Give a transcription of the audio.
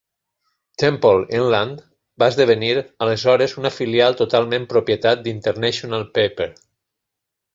Temple-Inland va esdevenir aleshores una filial totalment propietat d'International Paper.